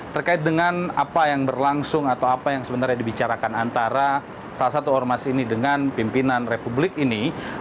terkait dengan apa yang berlangsung atau apa yang sebenarnya dibicarakan antara salah satu ormas ini dengan pimpinan republik ini